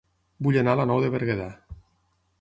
Vull anar a La Nou de Berguedà